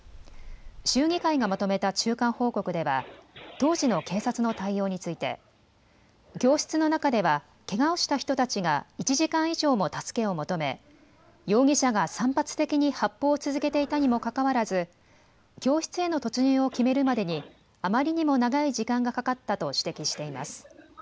州議会がまとめた中間報告では当時の警察の対応について教室の中ではけがをした人たちが１時間以上も助けを求め容疑者が散発的に発砲を続けていたにもかかわらず教室への突入を決めるまでにあまりにも長い時間がかかったと指摘しています。